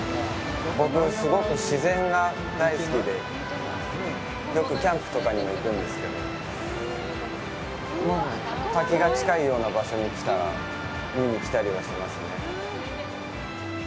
僕すごく自然が大好きでよくキャンプとかにも行くんですけど滝が近いような場所に来たら見に来たりはしますね。